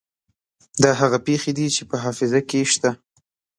دا هغه پېښې دي چې په حافظه کې شته.